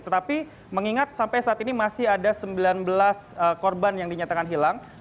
tetapi mengingat sampai saat ini masih ada sembilan belas korban yang dinyatakan hilang